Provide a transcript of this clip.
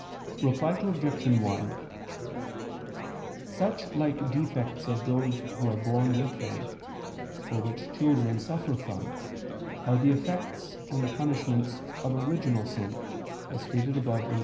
Reply Obj. 1: Such like defects of those who are born with them, or which children suffer from, are the effects and the punishments of original sin, as stated above (Q.